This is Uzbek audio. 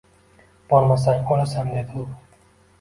Bormasang o’lasan dedi u.